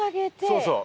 そうそう。